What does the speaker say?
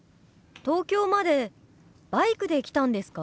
東京までバイクで来たんですか？